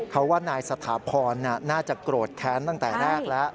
เขาว่านายสถาพรน่าจะโกรธแค้นตั้งแต่แรกแล้ว